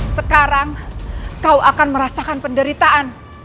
sekarang kau akan merasakan penderitaan